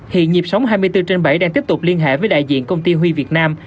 hiện nhịp sống hai mươi bốn trên bảy đang tiếp tục liên hệ với đại diện công ty huy việt nam